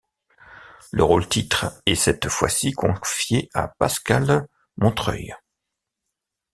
Le rôle-titre est cette fois-ci confié à Pascale Montreuil.